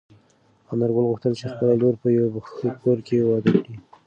انارګل غوښتل چې خپله لور په یوه ښه کور کې واده کړي.